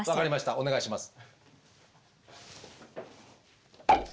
お願いします。